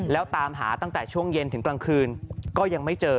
แล้วตามหาตั้งแต่ช่วงเย็นถึงกลางคืนก็ยังไม่เจอ